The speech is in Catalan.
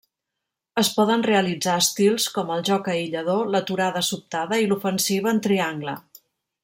Es poden realitzar estils com el joc aïllador, l'aturada sobtada, i l'ofensiva en triangle.